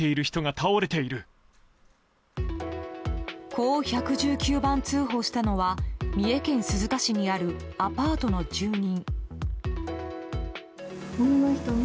こう１１９番通報したのは三重県鈴鹿市にあるアパートの住人。